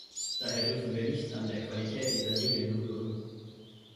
Daher dürfen wir nicht an der Qualität dieser Regeln rühren.